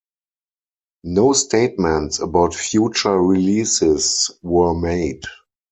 No statements about future releases were made.